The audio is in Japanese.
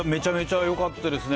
よかったですね。